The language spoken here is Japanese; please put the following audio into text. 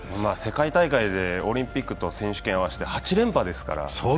世界大会でオリンピックと選手権を合わせて８連覇ですから。